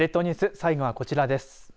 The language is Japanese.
最後はこちらです。